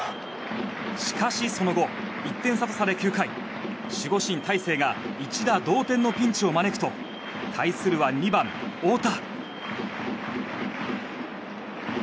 しかし、その後１点差とされ９回守護神、大勢が一打同点のピンチを招くと対するは２番、大田。